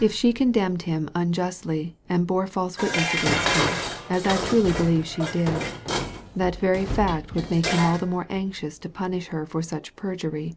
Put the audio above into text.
"If she con demned him unjustly, and bore false witness against him, as I truly believe she did, that very fact would make him all the more anxious to punish her for such perjury.